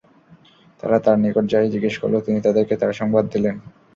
তারা তাঁর নিকট যা-ই জিজ্ঞেস করল তিনি তাদেরকে তার সংবাদ দিলেন।